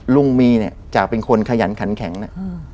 ลุงมีเนี่ยจากเป็นคนขยันขันแข็งเนี่ย